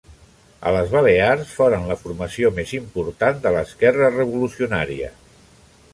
A les Balears foren la formació més important de l'esquerra revolucionària.